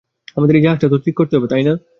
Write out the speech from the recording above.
আমাদের এই জাহাজটা তো ঠিক করতে হবে, তাই না?